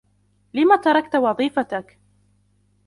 لمَ تركت وظيفتك؟